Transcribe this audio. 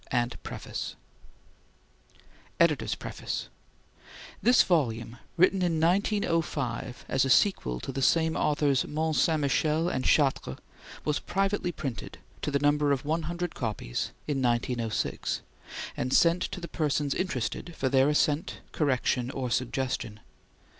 NUNC AGE (1905) EDITOR'S PREFACE THIS volume, written in 1905 as a sequel to the same author's "Mont Saint Michel and Chartres," was privately printed, to the number of one hundred copies, in 1906, and sent to the persons interested, for their assent, correction, or suggestion.